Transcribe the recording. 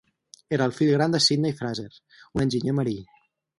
Era el fill gran de Sydney Fraser, un enginyer marí.